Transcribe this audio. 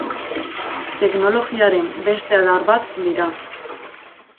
Teknologiaren beste adar bat dira.